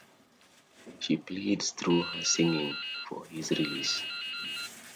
She pleads through her singing for his release.